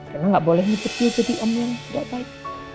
rena gak boleh ngikutin jadi om yang gak baik